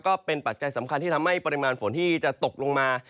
ปัจจัยสำคัญที่ทำให้ปริมาณฝนที่จะตกลงมา